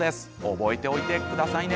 覚えておいてくださいね。